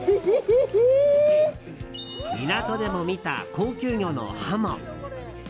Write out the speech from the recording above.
港でも見た、高級魚のハモ。